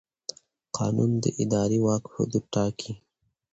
قانون د اداري واک حدود ټاکي.